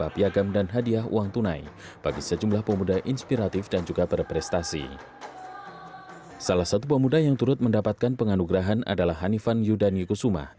pemuda yang turut mendapatkan penganugerahan adalah hanifan yudani kusuma